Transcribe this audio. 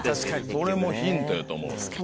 これもヒントやと思う。